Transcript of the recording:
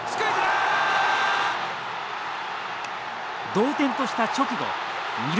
同点とした直後二塁